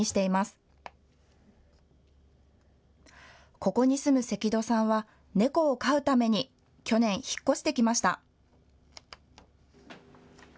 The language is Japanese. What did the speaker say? ここに住む関戸さんは猫を飼うために去年、引っ越してきました。